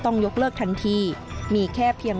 ยกเลิกทันทีมีแค่เพียง